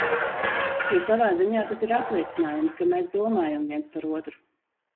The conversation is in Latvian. Jo savā ziņā tās ir apliecinājums, ka mēs domājam viens par otru.